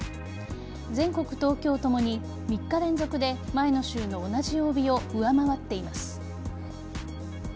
全国、東京ともに３日連続で前の週の同じ曜日を上回っています。